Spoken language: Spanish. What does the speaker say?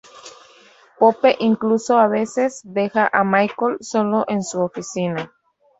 Pope incluso a veces deja a Michael sólo en su oficina.